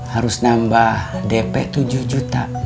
harus nambah dp tujuh juta